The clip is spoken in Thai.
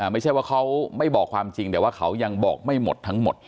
ไม่ใช่ว่าเขาไม่บอกความจริงแต่ว่าเขายังบอกไม่หมดทั้งหมด